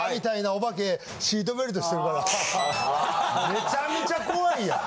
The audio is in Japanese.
めちゃめちゃ怖いやん。